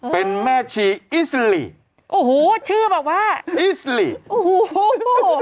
เป็นแม่ชีอิสลิโอ้โหชื่อแบบว่าอิสลีโอ้โห